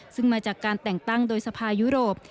ซึ่งมาจากการแต่งตั้งโดยสภายุโรป